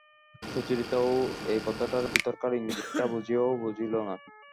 সুচরিতা এ কথাটার ভিতরকার ইঙ্গিতটা বুঝিয়াও বুঝিল না।